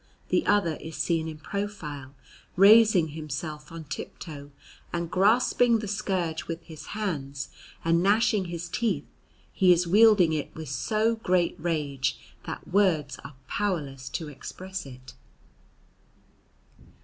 The other is seen in profile, raising himself on tip toe; and grasping the scourge with his hands, and gnashing his teeth, he is wielding it with so great rage that words are powerless to express it.